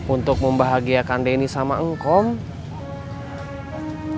untuk membahagiakan denny sama engkong